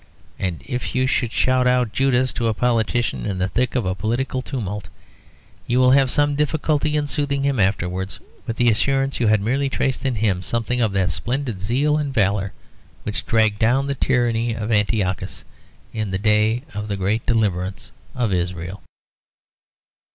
And if you shout out "Judas" to a politician in the thick of a political tumult, you will have some difficulty in soothing him afterwards, with the assurance that you had merely traced in him something of that splendid zeal and valour which dragged down the tyranny of Antiochus, in the day of the great deliverance of Israel.